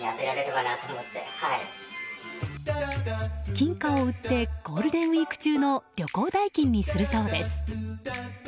金貨を売ってゴールデンウィーク中の旅行代金にするそうです。